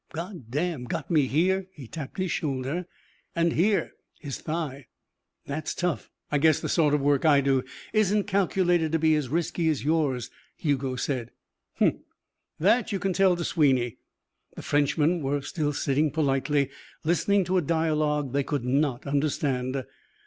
"God damn. Got me here" he tapped his shoulder "and here" his thigh. "That's tough. I guess the sort of work I do isn't calculated to be as risky as yours," Hugo said. "Huh! That you can tell to Sweeny." The Frenchmen were still sitting politely, listening to a dialogue they could not understand.